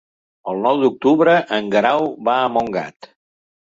El nou d'octubre en Guerau va a Montgat.